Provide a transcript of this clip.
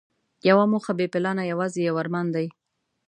یوه موخه بې پلانه یوازې یو ارمان دی.